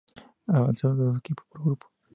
Avanzaron dos equipos por grupo.